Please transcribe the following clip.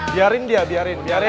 biarin dia biarin biarin